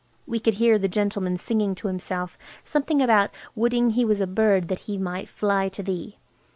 We could hear the gentleman singing to himself, something about woulding he was a bird that he might fly to thee.